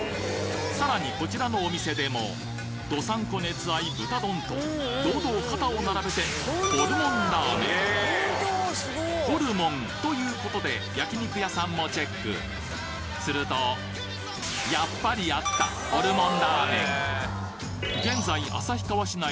さらにこちらのお店でも道産子熱愛・豚丼と堂々肩を並べて「ホルモンらーめん」ホルモンという事で焼肉屋さんもチェックするとやっぱりあった「ホルモンらーめん」